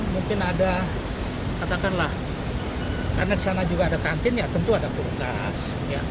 mungkin ada katakanlah karena di sana juga ada kantin ya tentu ada kulkas